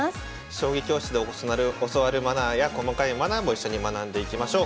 将棋教室で教わるマナーや細かいマナーも一緒に学んでいきましょう。